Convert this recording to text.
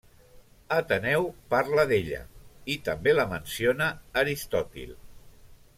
Ateneu parla d'ella, i també la menciona Aristòtil.